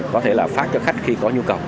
có thể là phát cho khách khi có nhu cầu